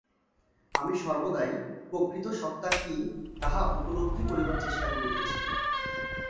আমরা সর্বদাই প্রকৃত সত্তা কি, তাহা উপলব্ধি করিবার চেষ্টা করিতেছি।